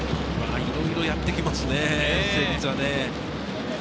いろいろやってきますね、成立はね。